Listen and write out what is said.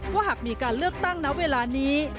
ว่าหากมีการเลือกตั้งณเวลานี้